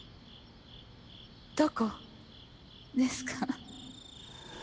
どこですか？